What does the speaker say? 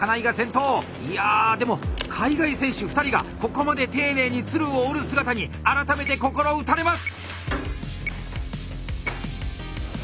いやでも海外選手２人がここまで丁寧に鶴を折る姿に改めて心打たれます！